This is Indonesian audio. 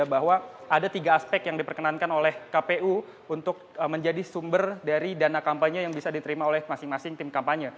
bahwa ada tiga aspek yang diperkenankan oleh kpu untuk menjadi sumber dari dana kampanye yang bisa diterima oleh masing masing tim kampanye